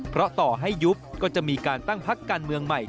เพราะต่อให้ยุบก็จะมีการตั้งพักการเมืองใหม่